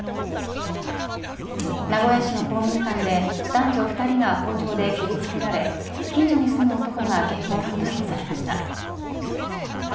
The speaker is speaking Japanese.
名古屋市の公民館で男女２人が包丁で切りつけられ近所に住む男が現行犯逮捕されました。